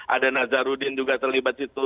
ada nazarudin juga terlibat di situ